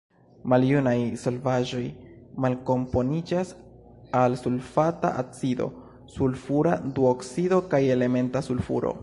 Maljunaj solvaĵoj malkomponiĝas al sulfata acido, sulfura duoksido kaj elementa sulfuro.